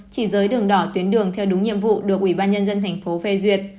chỉ dưới đường đỏ tuyến đường theo đúng nhiệm vụ được ủy ban nhân dân thành phố phê duyệt